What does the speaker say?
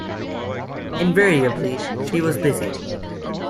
Invariably she was busy.